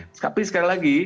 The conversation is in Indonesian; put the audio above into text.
tapi sekali lagi